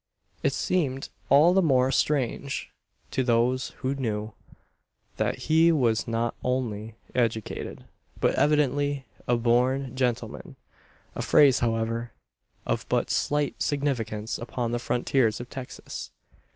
It seemed all the more strange to those who knew: that he was not only educated, but evidently a "born gentleman" a phrase, however, of but slight significance upon the frontiers of Texas.